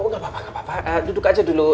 gapapa duduk aja dulu